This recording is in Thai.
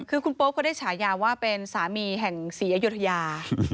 คุณโป๊ปก็ได้ฉายาว่าเป็นสามีแห่งศรีอยดยา